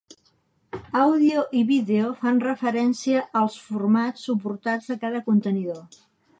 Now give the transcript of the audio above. Àudio i Vídeo fan referència als formats suportats de cada contenidor.